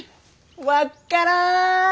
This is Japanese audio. わっからん！